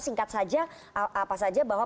singkat saja apa saja bahwa